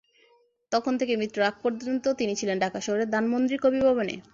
তখন থেকে মৃত্যুর আগ-পর্যন্ত তিনি ছিলেন ঢাকা শহরের ধানমন্ডির কবি ভবনে।